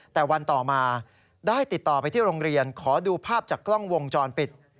แต่วันต่อมาได้ติดต่อไปที่โรงเรียนขอดูภาพจากกล้องวงจรปิด